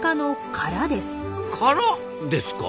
殻ですか？